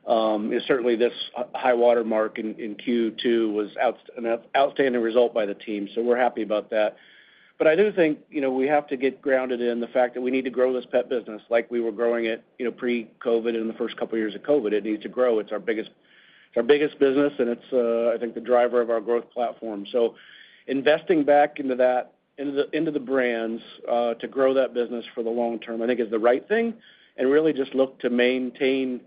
certainly this high water mark in Q2 was an outstanding result by the team, so we're happy about that. But I do think, you know, we have to get grounded in the fact that we need to grow this pet business like we were growing it, you know, pre-COVID and the first couple of years of COVID. It needs to grow. It's our biggest, our biggest business, and it's I think the driver of our growth platform. So investing back into that, into the brands to grow that business for the long term, I think is the right thing, and really just look to maintain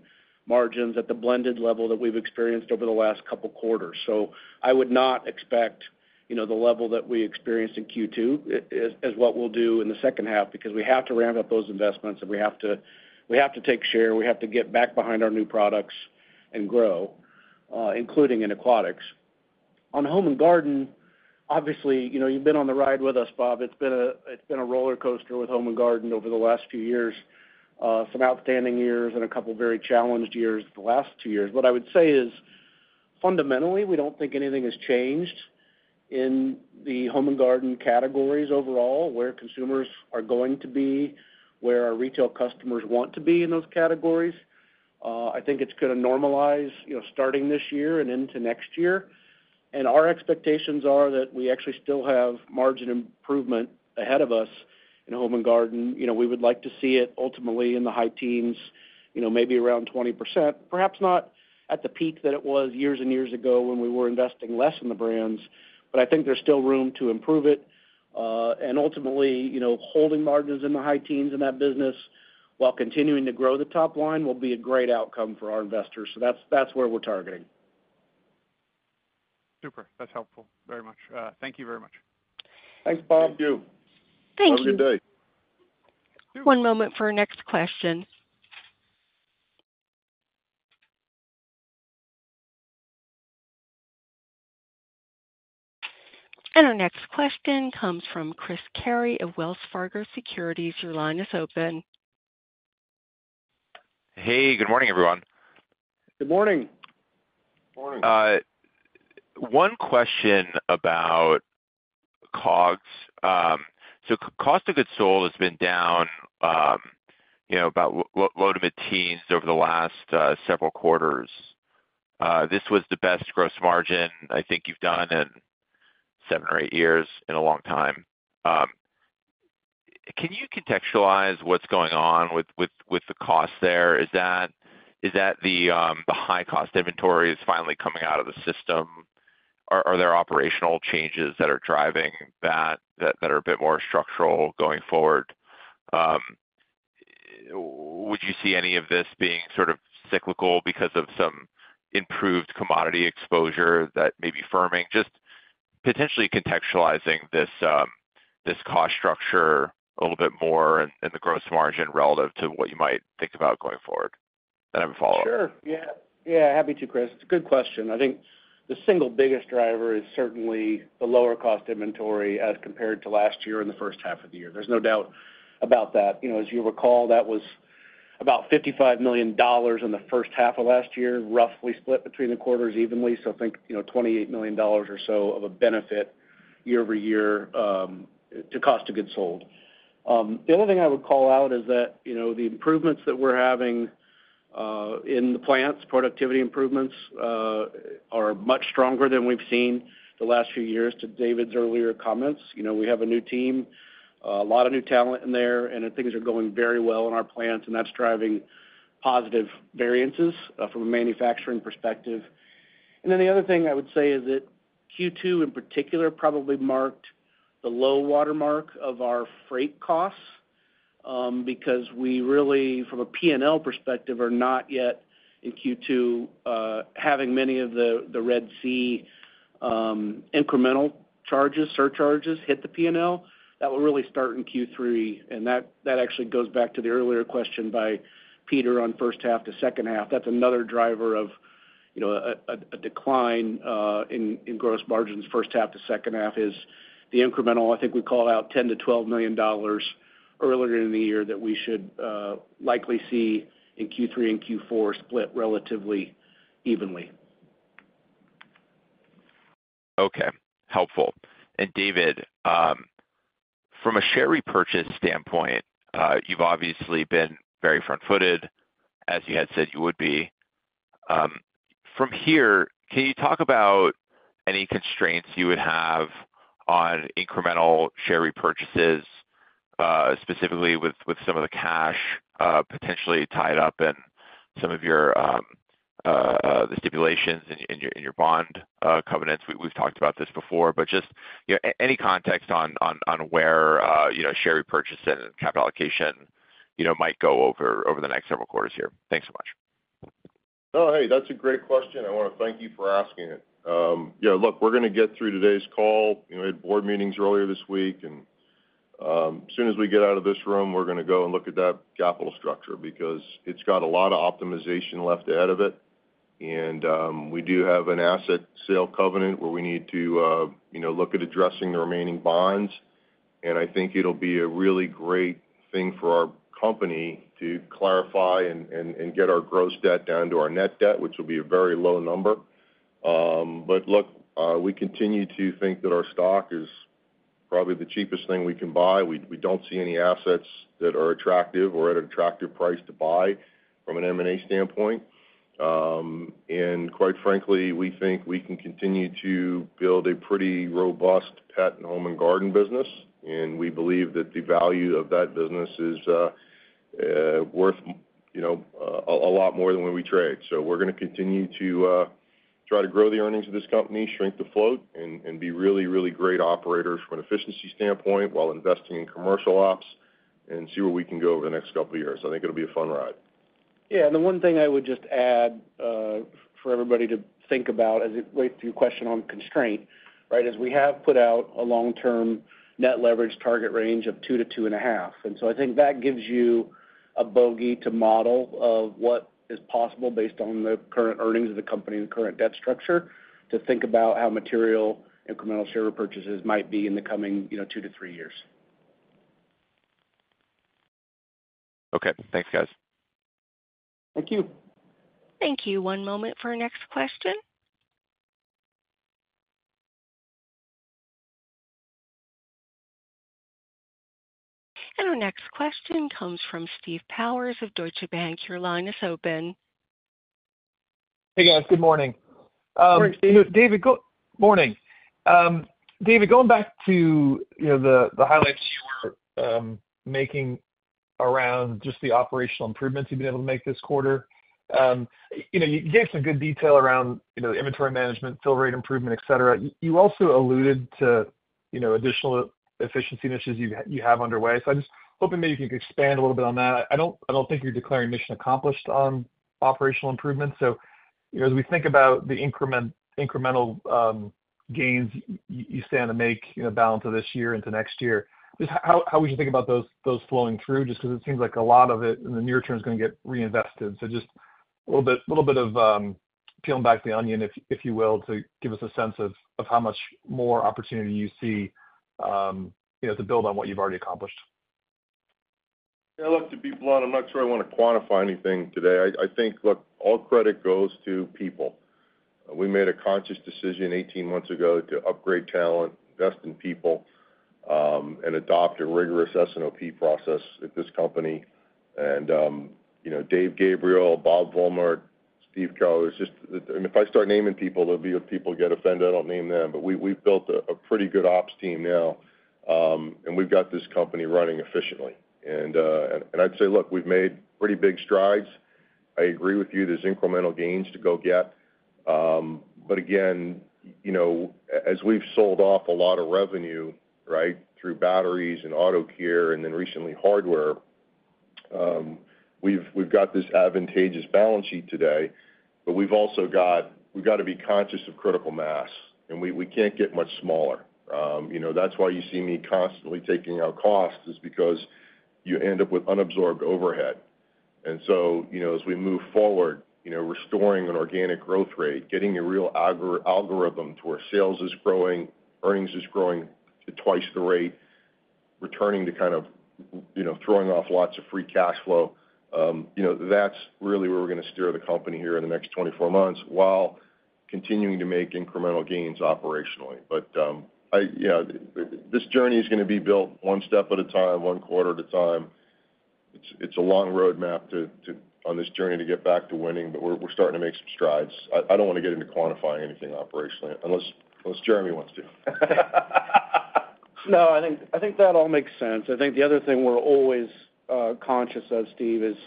margins at the blended level that we've experienced over the last couple quarters. So I would not expect, you know, the level that we experienced in Q2 as what we'll do in the second half, because we have to ramp up those investments, and we have to take share, we have to get back behind our new products and grow, including in aquatics. On Home and Garden, obviously, you know, you've been on the ride with us, Bob. It's been a roller coaster with Home and Garden over the last few years. Some outstanding years and a couple of very challenged years the last two years. What I would say is, fundamentally, we don't think anything has changed in the home and garden categories overall, where consumers are going to be, where our retail customers want to be in those categories. I think it's gonna normalize, you know, starting this year and into next year. Our expectations are that we actually still have margin improvement ahead of us in home and garden. You know, we would like to see it ultimately in the high teens, you know, maybe around 20%. Perhaps not at the peak that it was years and years ago when we were investing less in the brands, but I think there's still room to improve it. And ultimately, you know, holding margins in the high teens in that business while continuing to grow the top line will be a great outcome for our investors. So that's, that's where we're targeting. Super. That's helpful, very much. Thank you very much. Thanks, Bob. Have a good day. You too. Our next question comes from Chris Carey of Wells Fargo Securities. Your line is open. Hey, good morning, everyone. Good morning. Morning. One question about COGS. So cost of goods sold has been down, you know, about low to mid-teens over the last several quarters. This was the best gross margin I think you've done in seven or eight years, in a long time. Can you contextualize what's going on with the costs there? Is that the high-cost inventory is finally coming out of the system? Are there operational changes that are driving that that are a bit more structural going forward? Would you see any of this being sort of cyclical because of some improved commodity exposure that may be firming? Just potentially contextualizing this cost structure a little bit more in the gross margin relative to what you might think about going forward. Then I have a follow-up. Sure. Yeah, yeah, happy to, Chris. It's a good question. I think the single biggest driver is certainly the lower cost inventory as compared to last year in the first half of the year. There's no doubt about that. You know, as you recall, that was about $55 million in the first half of last year, roughly split between the quarters evenly. So I think, you know, $28 million or so of a benefit year-over-year to cost of goods sold. The other thing I would call out is that, you know, the improvements that we're having in the plants, productivity improvements, are much stronger than we've seen the last few years to David's earlier comments. You know, we have a new team, a lot of new talent in there, and things are going very well in our plants, and that's driving positive variances, from a manufacturing perspective. And then the other thing I would say is that Q2, in particular, probably marked the low watermark of our freight costs, because we really, from a P&L perspective, are not yet in Q2, having many of the Red Sea, incremental charges, surcharges hit the P&L. That will really start in Q3, and that actually goes back to the earlier question by Peter on first half to second half. That's another driver of, you know, a decline in gross margins, first half to second half, is the incremental. I think we call out $10 million-$12 million earlier in the year that we should likely see in Q3 and Q4 split relatively evenly. Okay, helpful. And David, from a share repurchase standpoint, you've obviously been very front-footed, as you had said you would be. From here, can you talk about any constraints you would have on incremental share repurchases, specifically with some of the cash potentially tied up in some of your the stipulations in your bond covenants? We've talked about this before, but just, you know, any context on where, you know, share repurchase and capital allocation, you know, might go over the next several quarters here. Thanks so much. Oh, hey, that's a great question. I want to thank you for asking it. Yeah, look, we're going to get through today's call. You know, we had board meetings earlier this week, and as soon as we get out of this room, we're going to go and look at that capital structure because it's got a lot of optimization left out of it. We do have an asset sale covenant where we need to, you know, look at addressing the remaining bonds. And I think it'll be a really great thing for our company to clarify and get our gross debt down to our net debt, which will be a very low number. But look, we continue to think that our stock is probably the cheapest thing we can buy. We don't see any assets that are attractive or at an attractive price to buy from an M&A standpoint. Quite frankly, we think we can continue to build a pretty robust pet and home and garden business, and we believe that the value of that business is worth, you know, a lot more than what we trade. So we're going to continue to try to grow the earnings of this company, shrink the float, and be really, really great operators from an efficiency standpoint while investing in commercial ops and see where we can go over the next couple of years. I think it'll be a fun ride. Yeah, and the one thing I would just add for everybody to think about as it relates to your question on constraint, right? Is we have put out a long-term net leverage target range of 2-2.5. And so I think that gives you a bogey to model of what is possible based on the current earnings of the company and the current debt structure, to think about how material incremental share repurchases might be in the coming, you know, 2-3 years. Okay. Thanks, guys. Thank you. Thank you. One moment for our next question. Our next question comes from Steve Powers of Deutsche Bank. Your line is open. Hey, guys. Good morning. Good morning, Steve. David, good morning. David, going back to, you know, the highlights you were making around just the operational improvements you've been able to make this quarter. You know, you gave some good detail around, you know, inventory management, fill rate improvement, et cetera. You also alluded to, you know, additional efficiency initiatives you have underway. So I'm just hoping that you can expand a little bit on that. I don't think you're declaring mission accomplished on operational improvements. So, you know, as we think about the incremental gains you stand to make in the balance of this year into next year, just how would you think about those flowing through? Just because it seems like a lot of it in the near term is going to get reinvested. So just... A little bit of peeling back the onion, if you will, to give us a sense of how much more opportunity you see, you know, to build on what you've already accomplished. Yeah, look, to be blunt, I'm not sure I want to quantify anything today. I think, look, all credit goes to people. We made a conscious decision 18 months ago to upgrade talent, invest in people, and adopt a rigorous S&OP process at this company. And, you know, Dave Gabriel, Bob Vollmert, Steve Cowell, it's just. And if I start naming people, there'll be people who get offended I don't name them. But we, we've built a pretty good ops team now, and we've got this company running efficiently. And I'd say, look, we've made pretty big strides. I agree with you, there's incremental gains to go get. But again, you know, as we've sold off a lot of revenue, right, through batteries and auto care and then recently hardware, we've got this advantageous balance sheet today, but we've also got, we've got to be conscious of critical mass, and we can't get much smaller. You know, that's why you see me constantly taking out costs, is because you end up with unabsorbed overhead. And so, you know, as we move forward, you know, restoring an organic growth rate, getting a real algorithm to where sales is growing, earnings is growing at twice the rate, returning to kind of, you know, throwing off lots of free cash flow, you know, that's really where we're going to steer the company here in the next 24 months, while continuing to make incremental gains operationally. But, you know, this journey is going to be built one step at a time, one quarter at a time. It's a long roadmap to on this journey to get back to winning, but we're starting to make some strides. I don't want to get into quantifying anything operationally, unless Jeremy wants to. No, I think, I think that all makes sense. I think the other thing we're always conscious of, Steve, is,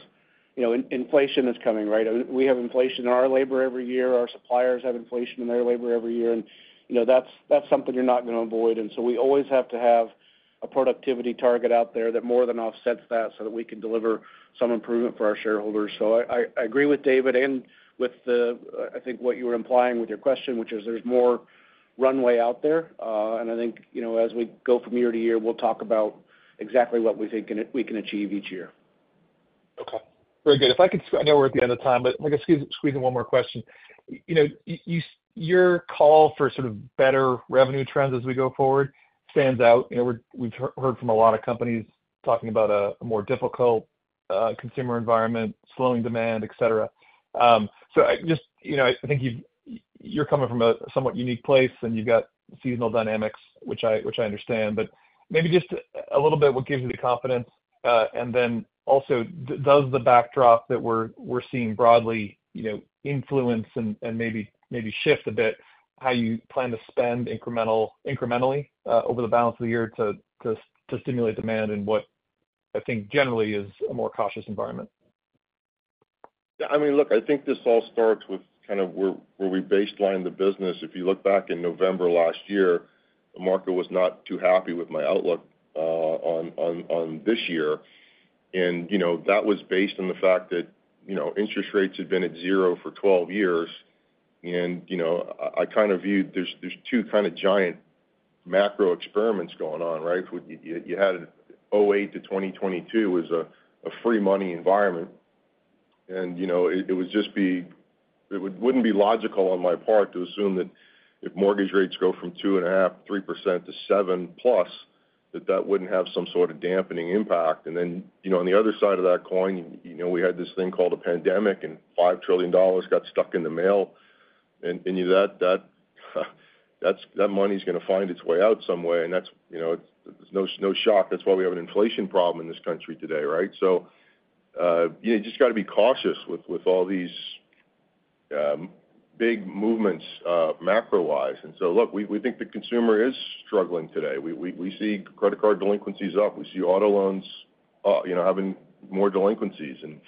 you know, inflation is coming, right? We have inflation in our labor every year. Our suppliers have inflation in their labor every year. And, you know, that's something you're not going to avoid. And so we always have to have a productivity target out there that more than offsets that, so that we can deliver some improvement for our shareholders. So I agree with David and with the, I think what you were implying with your question, which is there's more runway out there. And I think, you know, as we go from year to year, we'll talk about exactly what we think we can achieve each year. Okay, very good. If I could, I know we're at the end of time, but if I could squeeze in one more question. You know, your call for sort of better revenue trends as we go forward stands out. You know, we've heard from a lot of companies talking about a more difficult consumer environment, slowing demand, et cetera. So I just... You know, I think you're coming from a somewhat unique place, and you've got seasonal dynamics, which I understand. But maybe just a little bit, what gives you the confidence? And then also, does the backdrop that we're seeing broadly, you know, influence and maybe shift a bit how you plan to spend incrementally over the balance of the year to stimulate demand in what I think generally is a more cautious environment? Yeah, I mean, look, I think this all starts with kind of where we baselined the business. If you look back in November last year, the market was not too happy with my outlook on this year. And, you know, that was based on the fact that, you know, interest rates had been at 0 for 12 years. And, you know, I kind of viewed there's two kind of giant macro experiments going on, right? You had 2008 to 2022 was a free money environment. And, you know, it wouldn't be logical on my part to assume that if mortgage rates go from 2.5-3% to 7+%, that that wouldn't have some sort of dampening impact. And then, you know, on the other side of that coin, you know, we had this thing called a pandemic, and $5 trillion got stuck in the mail. And you know, that, that's, that money's going to find its way out somewhere, and that's, you know, it's no shock. That's why we have an inflation problem in this country today, right? So, you know, you just got to be cautious with all these big movements, macro-wise. And so, look, we think the consumer is struggling today. We see credit card delinquencies up. We see auto loans, you know, having more delinquencies. And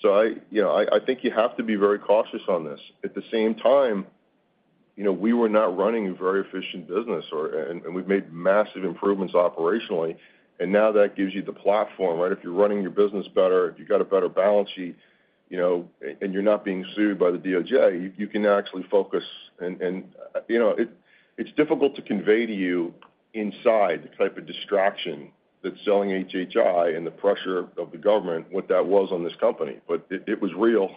so I, you know, I think you have to be very cautious on this. At the same time, you know, we were not running a very efficient business or... And we've made massive improvements operationally, and now that gives you the platform, right? If you're running your business better, if you've got a better balance sheet, you know, and you're not being sued by the DOJ, you can actually focus and... You know, it's difficult to convey to you the type of distraction that selling HHI and the pressure of the government was on this company, but it was real.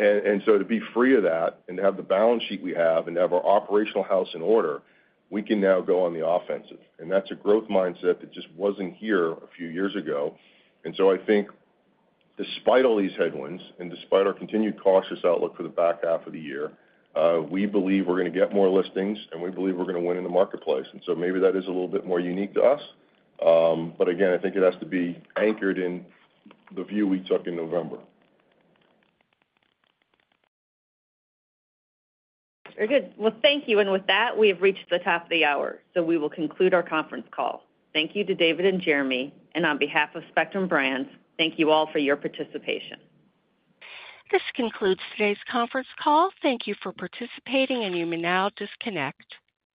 And so to be free of that and to have the balance sheet we have and to have our operational house in order, we can now go on the offensive. And that's a growth mindset that just wasn't here a few years ago. And so I think despite all these headwinds and despite our continued cautious outlook for the back half of the year, we believe we're going to get more listings, and we believe we're going to win in the marketplace. And so maybe that is a little bit more unique to us. But again, I think it has to be anchored in the view we took in November. Very good. Well, thank you. With that, we have reached the top of the hour, so we will conclude our conference call. Thank you to David and Jeremy, and on behalf of Spectrum Brands, thank you all for your participation. This concludes today's conference call. Thank you for participating, and you may now disconnect.